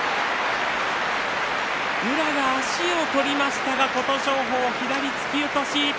宇良が足を取りましたが琴勝峰が左突き落とし。